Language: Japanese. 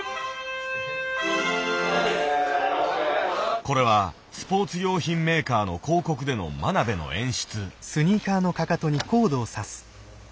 これはスポーツ用品メーカーの広告での真鍋の演出。